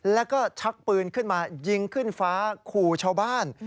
แล้วก็ชักปืนขึ้นมายิงขึ้นฟ้าขู่ชาวบ้าน